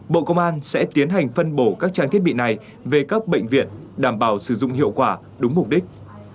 bộ công an sẽ tiến hành phân bổ các trang thiết bị này về các bệnh viện đảm bảo sử dụng hiệu quả đúng mục đích